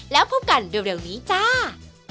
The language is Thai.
แล้วพบกันเร็วนี้จ้า